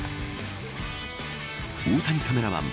大谷カメラマン